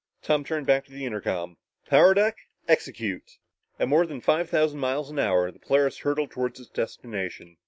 Tom turned back to the intercom. "Power deck, execute!" At more than five thousand miles an hour, the Polaris hurtled toward its destination.